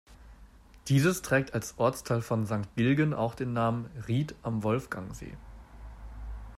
Dieses trägt als Ortsteil von Sankt Gilgen auch den Namen "Ried am Wolfgangsee".